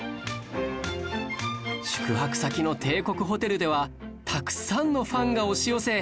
宿泊先の帝国ホテルではたくさんのファンが押し寄せ